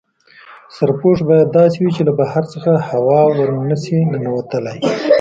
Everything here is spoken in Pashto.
سرپوښ باید داسې وي چې له بهر څخه هوا ور نه شي ننوتلای.